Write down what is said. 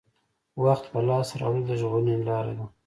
وخت په لاس راوړل د ژغورنې لاره ده.